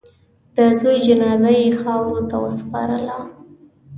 د زوی جنازه یې خاورو ته وسپارله.